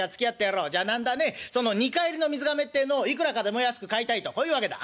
じゃあなんだねその二荷入りの水がめってえのをいくらかでも安く買いたいとこういうわけだ。